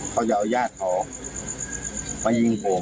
เขาจะเอาย่าของเขาเอายิงผม